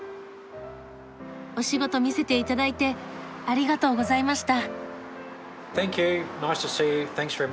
お仕事見せていただいてありがとうございました。